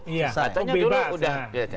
katanya dulu udah